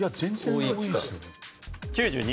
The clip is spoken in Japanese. ９２。